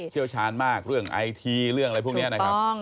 เชี่ยวชาญมากเรื่องไอทีเรื่องอะไรพวกนี้นะครับ